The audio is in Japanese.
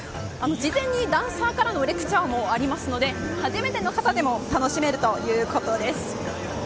事前にダンサーからのレクチャーもありますので初めての方でも楽しめるということです。